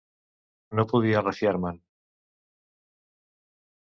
No podia refiar-me'n.